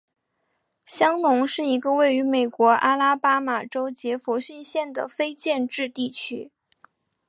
香农是一个位于美国阿拉巴马州杰佛逊县的非建制地区。